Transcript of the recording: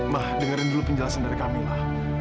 ma dengerin dulu penjelasan dari kamila